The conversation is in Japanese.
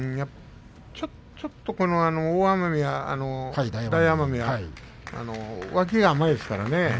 ちょっと大奄美は脇が甘いですからね。